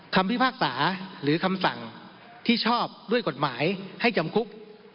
พิพากษาหรือคำสั่งที่ชอบด้วยกฎหมายให้จำคุก